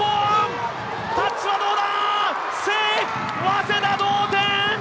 早稲田同点！